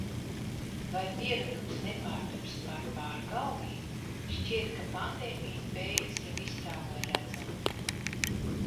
Vai pieradums nepārtaps par pārgalvību? Šķiet, ka pandēmijas beigas jau iztālē redzama.